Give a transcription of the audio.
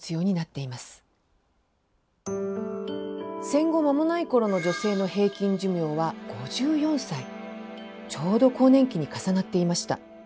戦後間もない頃の女性の平均寿命は５４歳ちょうど更年期に重なっていました。